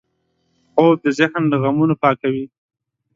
خوب د ذهن له غمونو پاکوي